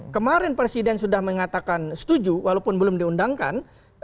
kemarin presiden sudah mengatakan setuju walaupun belum diundangkan